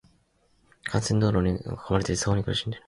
幹線道路に囲まれていて、騒音に苦しんでいる。